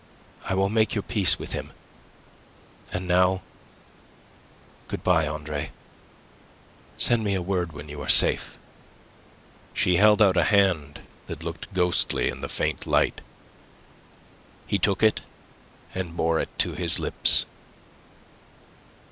"I'll make your peace with him. And now good bye, Andre. Send me a word when you are safe." She held out a hand that looked ghostly in the faint light. He took it and bore it to his lips.